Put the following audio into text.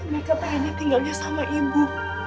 meka pengennya tinggal sama ibu